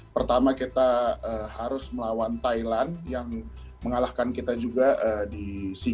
pertama kita harus melawan thailand yang mengalahkan kita juga di sea games